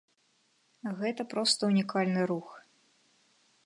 Гэта проста ўнікальны рух.